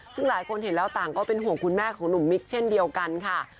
ซึ่งหลายคนเห็นแล้วต่างก็เป็นห่วงคุณแม่ของหนุ่มมิกเช่นเดียวกันค่ะ